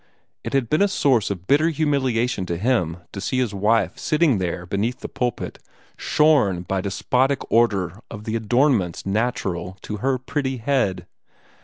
It had been a source of bitter humiliation to him to see his wife sitting there beneath the pulpit, shorn by despotic order of the adornments natural to her pretty head.